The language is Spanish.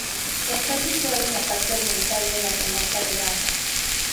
Está situada en la parte oriental de la comarca de Baza.